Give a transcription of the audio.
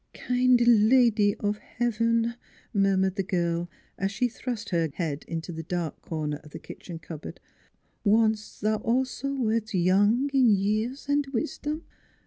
" Kind Lady of Heaven," murmured the girl, as she thrust her head into a dark corner of the kitchen cupboard, " once thou also wert young in years and wisdom.